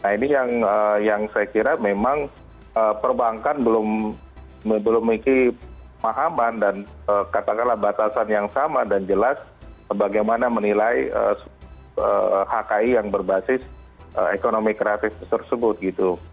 nah ini yang saya kira memang perbankan belum memiliki pahaman dan katakanlah batasan yang sama dan jelas bagaimana menilai hki yang berbasis ekonomi kreatif tersebut gitu